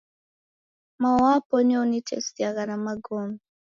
Mao wapo nio unitesiagha na magome